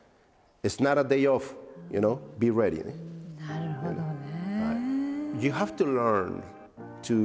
なるほどね。